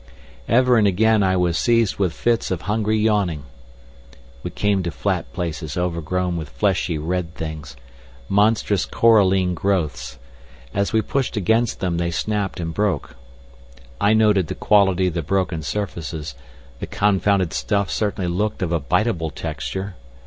Ever and again I was seized with fits of hungry yawning. We came to flat places overgrown with fleshy red things, monstrous coralline growths; as we pushed against them they snapped and broke. I noted the quality of the broken surfaces. The confounded stuff certainly looked of a biteable texture.